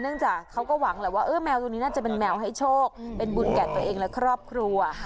จากเขาก็หวังแหละว่าแมวตัวนี้น่าจะเป็นแมวให้โชคเป็นบุญแก่ตัวเองและครอบครัว